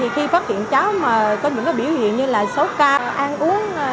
khi phát hiện cháu có những biểu hiện như là sốt ca an uống